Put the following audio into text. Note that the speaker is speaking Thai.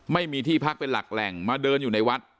ไม่มีที่พักเป็นหลักแหล่งมาเดินอยู่ในวัด